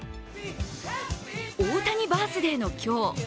大谷バースデーの今日。